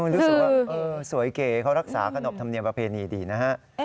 รู้สึกว่าสวยเก๋เขารักษาขนบธรรมเนียมประเพณีดีนะฮะ